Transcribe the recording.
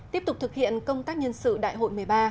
tiếp tục thực hiện công tác nhân sự đại hội một mươi ba